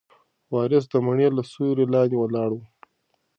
وارث د مڼې له سیوري لاندې ولاړ و.